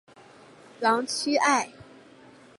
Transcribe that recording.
朗屈艾。